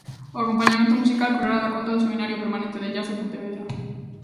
O acompañamento musical correrá da conta do Seminario Permanente de Jazz de Pontevedra.